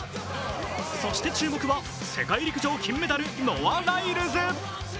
そして注目は世界陸上金メダルノア・ライルズ。